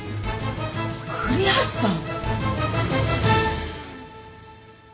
栗橋さん？